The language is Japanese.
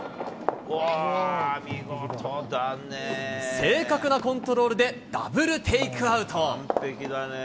正確なコントロールでダブルテークアウト。